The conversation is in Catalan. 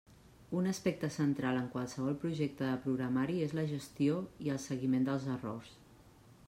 Un aspecte central en qualsevol projecte de programari és la gestió i el seguiment dels errors.